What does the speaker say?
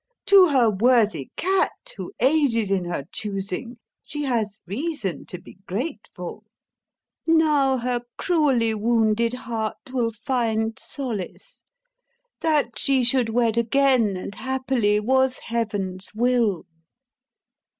To her worthy cat, who aided in her choosing, she has reason to be grateful. Now her cruelly wounded heart will find solace. That she should wed again, and happily, was Heaven's will."